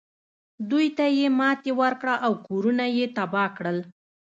دوی ته یې ماتې ورکړه او کورونه یې تباه کړل.